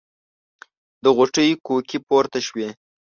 د غوټۍ کوکې پورته شوې.